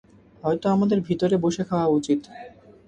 হয়তো আমাদের ভিতরে বসে খাওয়া উচিত।